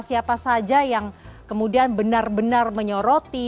siapa saja yang kemudian benar benar menyoroti